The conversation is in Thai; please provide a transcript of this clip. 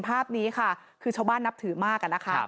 ภาพนี้ค่ะคือชาวบ้านนับถือมากนะคะ